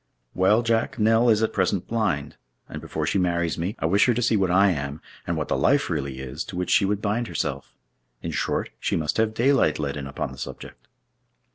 "Well, Jack, Nell is at present blind; and before she marries me, I wish her to see what I am, and what the life really is to which she would bind herself. In short, she must have daylight let in upon the subject!"